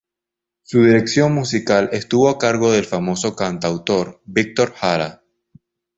Su dirección musical estuvo a cargo del famoso cantautor Víctor Jara.